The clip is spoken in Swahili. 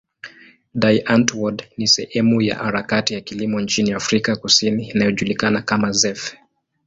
Die Antwoord ni sehemu ya harakati ya kilimo nchini Afrika Kusini inayojulikana kama zef.